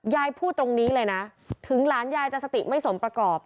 ยายพูดตรงนี้เลยนะถึงหลานยายจะสติไม่สมประกอบ